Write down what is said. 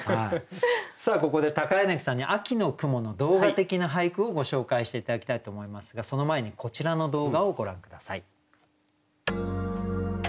さあここで柳さんに秋の雲の動画的な俳句をご紹介して頂きたいと思いますがその前にこちらの動画をご覧下さい。